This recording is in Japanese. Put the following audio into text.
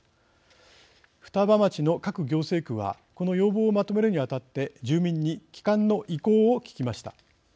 双葉町の各行政区はこの要望をまとめるにあたって住民に帰還の意向を聞きました。